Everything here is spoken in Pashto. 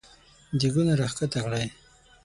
دېګونه راکښته کړی !